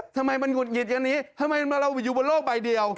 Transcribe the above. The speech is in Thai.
ทำไมมันหุดหงิดอย่างนี้ทำไมเราอยู่บนโลกใบเดียว